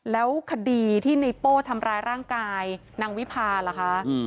แล้วคดีที่ในโป้ทำร้ายร่างกายนางวิพาล่ะคะ